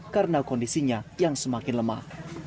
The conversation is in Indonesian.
karena kondisinya yang semakin lemah